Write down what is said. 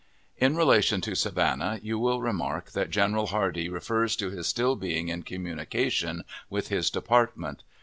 In relation to Savannah, you will remark that General Hardee refers to his still being in communication with his department.